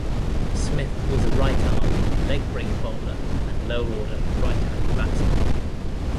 Smith was a right-arm leg-break bowler and lower-order right-handed batsman.